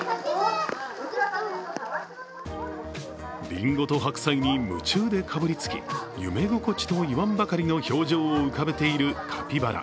りんごと白菜に夢中でかぶりつき、夢心地と言わんばかりの表情を浮かべているカピバラ。